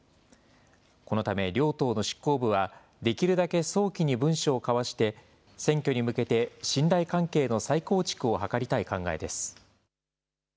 このため両党の執行部は、できるだけ早期に文書を交わして選挙に向けて、信頼関係の再構築を図りたい考えです。